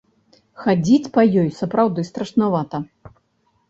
Хадзіць па ёй сапраўды страшнавата.